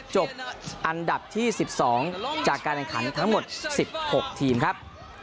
จบอันดับที่๑๒จากการแข่งขันทั้งหมด๑๖ทีมครับ